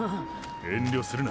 遠慮するな。